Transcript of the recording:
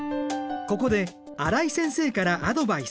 ここで新井先生からアドバイス。